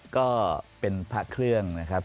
ก็เป็นพระเครื่องนะครับ